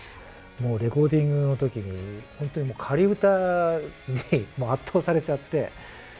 レコーディングの時にもう仮歌に圧倒されちゃって。